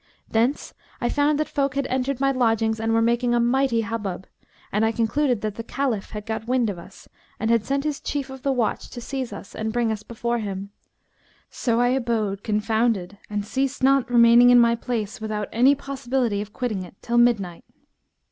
Thence I found that folk had entered my lodgings and were making a mighty hubbub; and I concluded that the Caliph had got wind of us and had sent his Chief of the Watch to seize us and bring us before him. So I abode confounded and ceased not remaining in my place, without any possibility of quitting it till midnight.